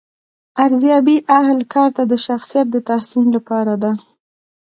ارزیابي اهل کار ته د شخصیت د تحسین لپاره ده.